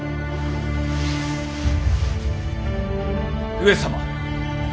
上様。